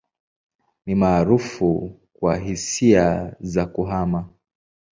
Ni maarufu kwa hisia za kuhama.